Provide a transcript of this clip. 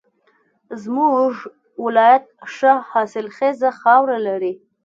زمونږ ولایت ښه حاصلخیزه خاوره لري